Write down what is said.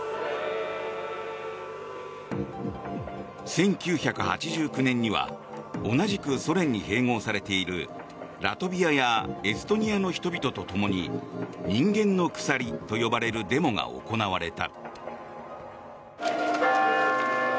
１９８９年には同じくソ連に併合されているラトビアやエストニアの人々ともに人間の鎖と呼ばれるデモが行われた。